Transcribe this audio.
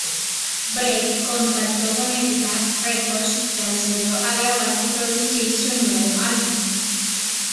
Brett contactó con Epitaph Records, que accedió a grabar y producir su nuevo álbum.